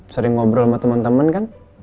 sering ngobrol sama temen temen kan